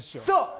そう！